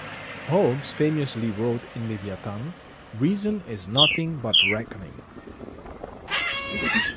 Hobbes famously wrote in "Leviathan": "reason is nothing but reckoning".